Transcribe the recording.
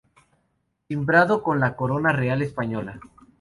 Timbrado con la corona real española.